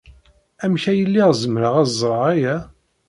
Amek ay lliɣ zemreɣ ad ẓreɣ aya?